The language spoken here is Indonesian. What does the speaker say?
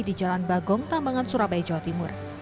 di jalan bagong tambangan surabaya jawa timur